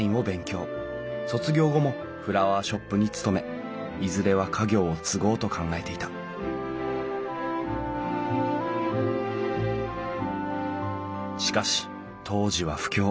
卒業後もフラワーショップに勤めいずれは家業を継ごうと考えていたしかし当時は不況。